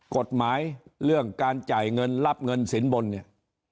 กฎหมายเรื่องการจ่ายเงินรับเงินสินบนเนี่ย